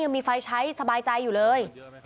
ยังมีไฟใช้สบายใจอยู่เลย